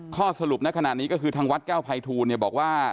ข้อสรุปในขณะนี้ก็คือทางวัดแก้วภัยทูลบอกว่า